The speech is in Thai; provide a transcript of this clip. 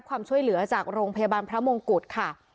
ความช่วยเหลือจากโรงพยาบาลพระมงกุฎค่ะ